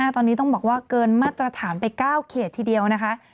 ตอนนี้ต้องบอกว่าเกินมาตรฐานไป๙เขตทีเดียวนะคะ